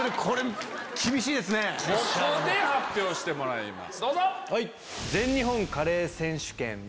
ここで発表してもらいます。